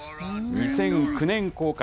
２００９年公開。